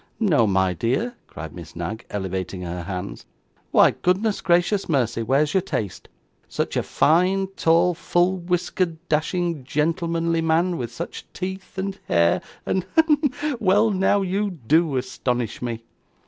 'No, my dear!' cried Miss Knag, elevating her hands. 'Why, goodness gracious mercy, where's your taste? Such a fine tall, full whiskered dashing gentlemanly man, with such teeth and hair, and hem well now, you DO astonish me.